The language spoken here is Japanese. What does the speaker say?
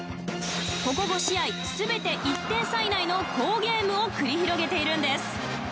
ここ５試合全て１点差以内の好ゲームを繰り広げているんです。